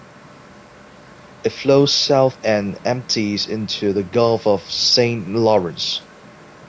It flows south and empties into the Gulf of Saint Lawrence.